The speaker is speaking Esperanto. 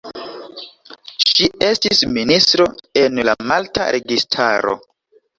Ŝi estis ministro en la malta registaro.